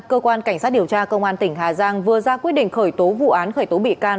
cơ quan cảnh sát điều tra công an tỉnh hà giang vừa ra quyết định khởi tố vụ án khởi tố bị can